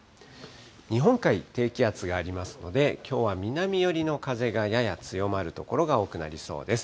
日本海に低気圧がありますので、きょうは南寄りの風がやや強まる所が多くなりそうです。